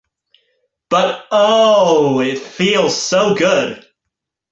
But, oh-h-h, it feels so good!